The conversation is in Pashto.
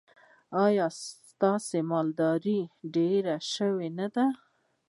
ایا ستاسو مالداري ډیره شوې نه ده؟